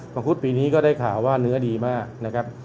งคุดปีนี้ก็ได้ข่าวว่าเนื้อดีมากนะครับ